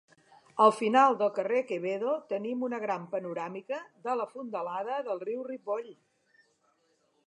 Al final del carrer Quevedo tenim una gran panoràmica de la fondalada del riu Ripoll.